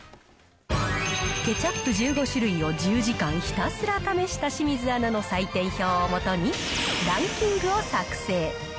ケチャップ１５種類を１０時間ひたすら試した清水アナの採点表をもとに、ランキングを作成。